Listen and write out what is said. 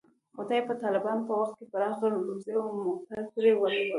خدای په طالبانو په وخت کې پراخه روزي او موټر پرې ولورول.